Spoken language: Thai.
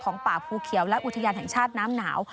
ป่าภูเขียวและอุทยานแห่งชาติน้ำหนาว